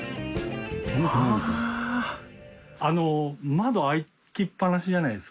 窓開きっぱなしじゃないですか。